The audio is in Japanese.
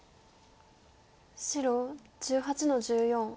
白１８の十四。